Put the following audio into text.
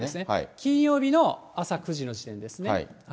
金曜日の朝９時の時点ですね。